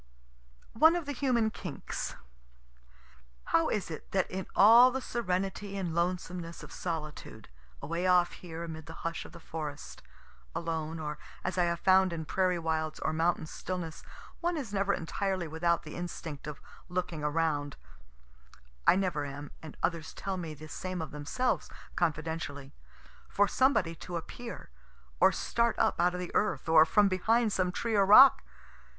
ONE OF THE HUMAN KINKS How is it that in all the serenity and lonesomeness of solitude, away off here amid the hush of the forest, alone, or as I have found in prairie wilds, or mountain stillness, one is never entirely without the instinct of looking around, (I never am, and others tell me the same of themselves, confidentially,) for somebody to appear, or start up out of the earth, or from behind some tree or rock?